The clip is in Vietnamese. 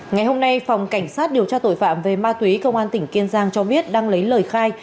ngày hôm nay phòng cảnh sát điều tra tội phạm về ma túy công an tỉnh kiên giang cho biết đang lấy lời khai